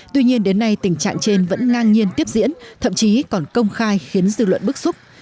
tuy nhiên đến nay tình trạng trên vẫn ngang nhiên tiếp diễn thậm chí còn công khai khiến dư luận bức xúc